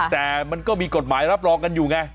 แต่มันก็มีกฎหมายรับรองกันอยู่ไง